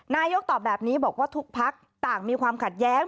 นายกตอบแบบนี้บอกว่าทุกพักต่างมีความขัดแย้ง